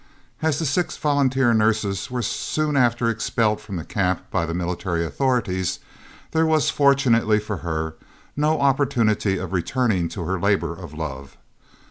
As the six volunteer nurses were soon after expelled from the Camp by the military authorities, there was, fortunately for her, no opportunity of returning to her labour of love.